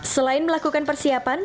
selain melakukan persiapan